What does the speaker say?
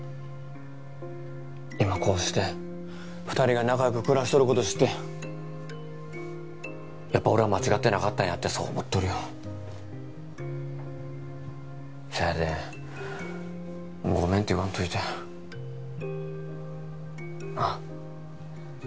今こうして二人が仲よく暮らしとること知ってやっぱ俺は間違ってなかったんやってそう思っとるよそやでもうごめんって言わんといてなあ？